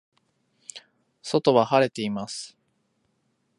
外は晴れています。